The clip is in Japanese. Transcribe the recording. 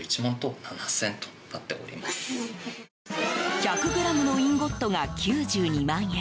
１００ｇのインゴットが９２万円